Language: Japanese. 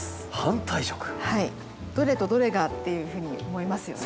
「どれとどれが？」っていうふうに思いますよね。